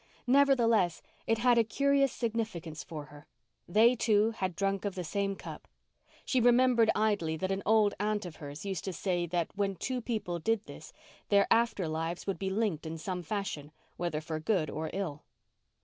Nevertheless, it had a curious significance for her. They two had drunk of the same cup. She remembered idly that an old aunt of hers used to say that when two people did this their after lives would be linked in some fashion, whether for good or ill.